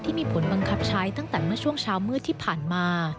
ที่มีผลบังคับใช้ตั้งแต่เมื่อช่วงเช้ามืดที่ผ่านมา